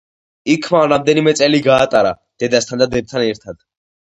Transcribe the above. იქ მან რამდენიმე წელი გაატარა, დედასთან და დებთან ერთად.